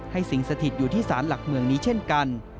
สิ่งสถิตอยู่ที่ศาลหลักเมืองนี้เช่นกัน